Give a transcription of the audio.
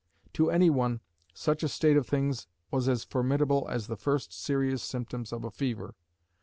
To any one, such a state of things was as formidable as the first serious symptoms of a fever.